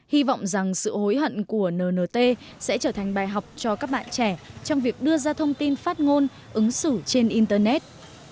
hy vọng rằng sự hối hận của nnt sẽ trở thành bài học cho các bạn trẻ trong việc đưa ra thông tin phát ngôn ứng xử trên internet